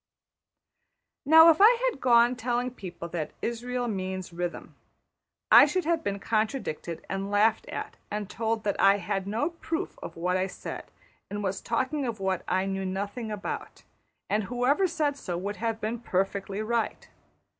Now if I had gone telling people that \emph{Israël means rhythm}, I should have been contradicted and laughed at and told that I had no proof of what I said and was talking of what I knew nothing about; and whoever said so would have been perfectly right.